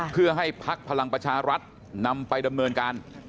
เพื่อให้พักพลังประชารัฐนำไปดำเนินการ